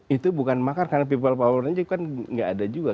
itu bukan makar karena people powernya kan nggak ada juga